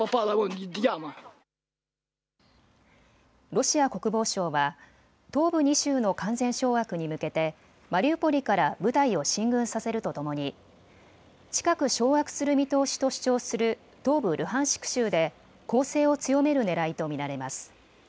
ロシア国防省は東部２州の完全掌握に向けてマリウポリから部隊を進軍させるとともに近く掌握する見通しと主張する東部ルハンシク州で攻勢を強めるねらいと見られます。